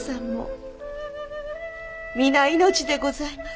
みな命でございます。